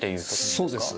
そうです。